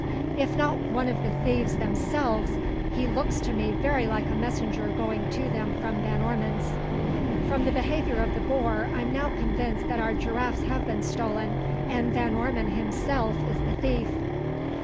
If not one of the thieves themselves, he looks to me very like a messenger going to them from Van Ormon's. From the behaviour of the boer, I'm now convinced that our giraffes have been stolen, and Van Ormon himself is the thief."